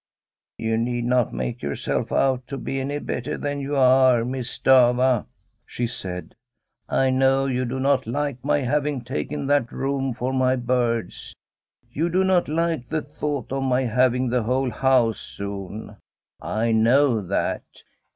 * You need not make yourself out to be any better than you are, Miss Stafva,' she said. * I know you do not like my having taken that room for my birds. You do not like the thought of my having the whole house soon. I know that.